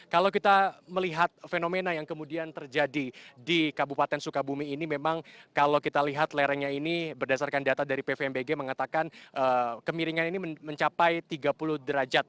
kalau kita melihat fenomena yang kemudian terjadi di kabupaten sukabumi ini memang kalau kita lihat lerengnya ini berdasarkan data dari pvmbg mengatakan kemiringan ini mencapai tiga puluh derajat